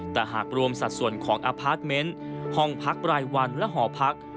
แต่หากรวมสัดส่วนของอพาร์ทเมนต์ห้องพักรายวันและหอพัก